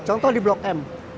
contoh di blok m